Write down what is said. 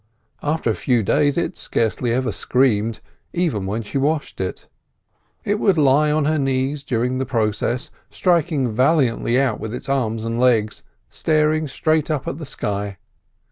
After a few days it scarcely ever screamed, even when she washed it. It would lie on her knees during the process, striking valiantly out with its arms and legs, staring straight up at the sky.